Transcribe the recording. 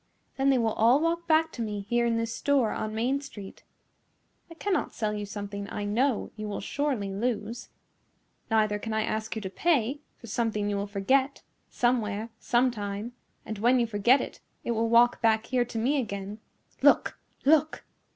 Then they will all walk back to me here in this store on main street. I can not sell you something I know you will surely lose. Neither can I ask you to pay, for something you will forget, somewhere sometime, and when you forget it, it will walk back here to me again. Look look!"